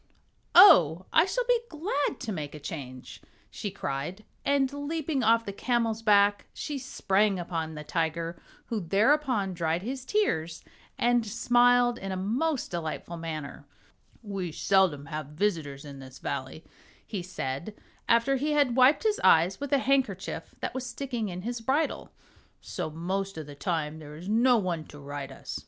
"Oh, I shall be glad to make a change," she cried, and leaping off the camel's back she sprang upon the tiger, who thereupon dried his tears and smiled in a most delightful manner. "We seldom have visitors in this Valley," he said, after he had wiped his eyes with a handkerchief that was sticking in his bridle, "so most of the time there is no one to ride us.